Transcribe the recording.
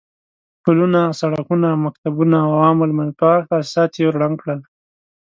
پلونه، سړکونه، مکتبونه او عام المنفعه تاسيسات يې ړنګ کړل.